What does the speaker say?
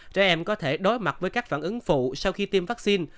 trẻ em có thể đối mặt với các phản ứng phụ sau khi tiêm vaccine